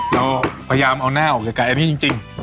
เราพยายามเอาหน้าออกจากกายอันนี้จริง